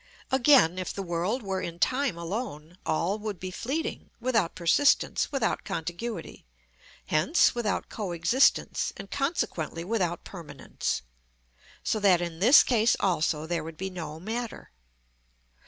Again, if the world were in time alone, all would be fleeting, without persistence, without contiguity, hence without co existence, and consequently without permanence; so that in this case also there would be no matter.